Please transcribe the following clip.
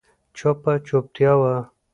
چوپه چوپتیا وه.